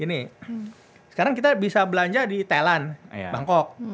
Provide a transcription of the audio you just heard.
ini sekarang kita bisa belanja di thailand bangkok